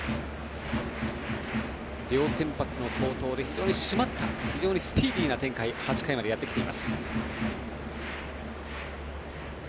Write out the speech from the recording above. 両先発の好投で非常に締まった非常にスピーディーな展開で８回までやってきています。